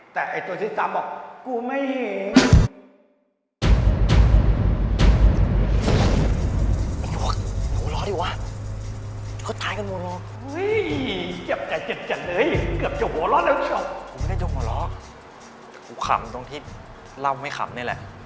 แต่ไอ้ตัวสีดำบอกกูไม่เห็น